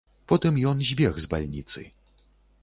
Потым ён збег з бальніцы.